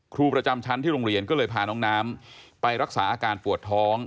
ครูประจำชั้นที่โรงเรียนก็เลยพาน้องน้ำไปรักษาอาการปวดท้อง